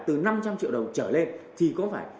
từ năm trăm linh triệu đồng trở lên thì có phải